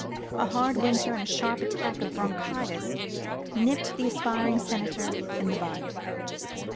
A hard winter and a sharp attack of bronchitis nipped the aspiring senator in the bud.